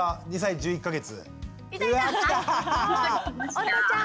おとちゃん！